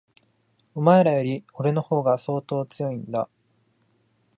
お前らより、俺の方が相当強いんだ。